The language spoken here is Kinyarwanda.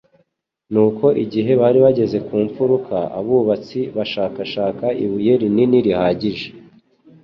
Nuko igihe bari bageze ku mfuruka abubatsi bashakashaka ibuye rinini rihagije